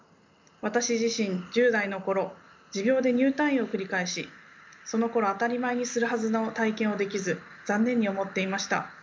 私自身１０代の頃持病で入退院を繰り返しそのころ当たり前にするはずの体験をできず残念に思っていました。